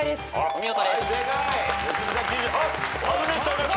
お見事。